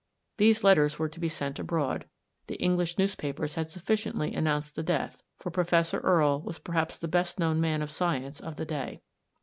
These letters were to be sent abroad. The English newspapers had sufficiently an nounced the death, for Professor Erie was perhaps the best known man of science of the day.